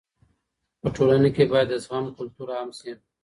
په ټولنه کي بايد د زغم کلتور عام سي.